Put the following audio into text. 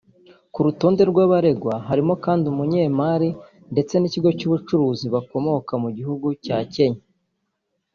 Ku rutonde rw’abaregwa harimo kandi n’umunyemari ndetse n’ikigo cy’ubucuruzi bakomoka mu gihugu cya Kenya